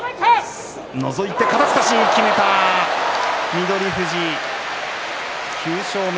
翠富士、９勝目。